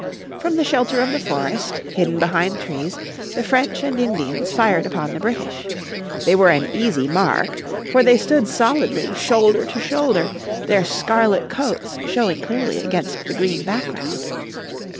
From the shelter of the forest, hidden behind trees, the French and Indians fired upon the British. They were an easy mark, for they stood solidly, shoulder to shoulder, their scarlet coats showing clearly against the green background.